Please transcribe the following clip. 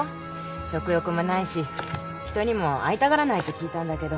食欲もないし人にも会いたがらないって聞いたんだけど。